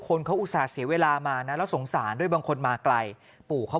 คนเขาอุตส่าห์เสียเวลามานะแล้วสงสารด้วยบางคนมาไกลปู่เขา